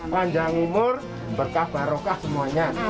panjang umur berkah barokah semuanya